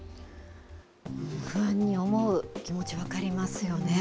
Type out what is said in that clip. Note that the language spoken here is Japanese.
不安に思う気持ち、分かりますよね。